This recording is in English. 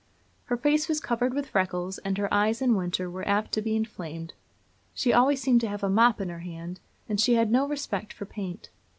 Her face was covered with freckles, and her eyes, in winter, were apt to be inflamed. She always seemed to have a mop in her hand, and she had no respect for paint.